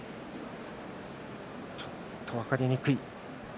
ちょっと分かりにくい。